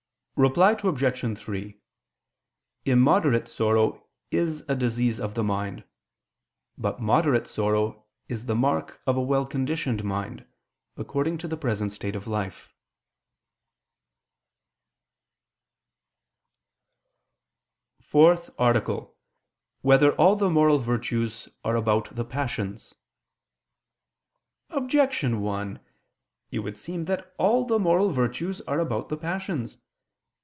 Reply Obj. 3: Immoderate sorrow is a disease of the mind: but moderate sorrow is the mark of a well conditioned mind, according to the present state of life. ________________________ FOURTH ARTICLE [I II, Q. 59, Art. 4] Whether All the Moral Virtues Are About the Passions? Objection 1: It would seem that all the moral virtues are about the passions.